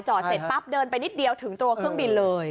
เสร็จปั๊บเดินไปนิดเดียวถึงตัวเครื่องบินเลย